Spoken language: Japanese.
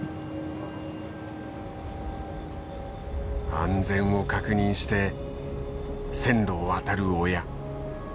安全を確認して線路を渡る親。